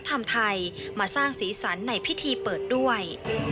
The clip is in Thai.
วัฒนธรรมไทยมาสร้างศีลสรรค์ในพิธีเปิดด้วย